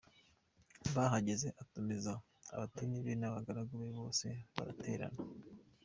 Bahageze, atumiza abatoni be n’abagaragu be, bose baraterana.